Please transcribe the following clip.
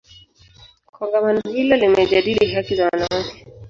kongamano hilo limejadili haki za wanawake